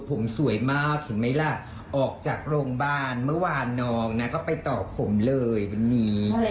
ผมสวยมากเห็นไหมล่ะออกจากโรงพยาบาลเมื่อวานน้องนะก็ไปต่อผมเลยวันนี้